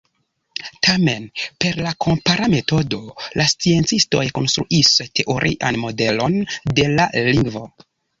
Tamen, per la kompara metodo la sciencistoj konstruis teorian modelon de la lingvo.